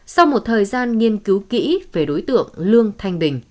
sau một thời gian nghiên cứu kỹ về đối tượng lương thanh bình